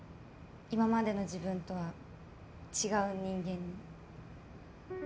今までの自分とは違う人間に。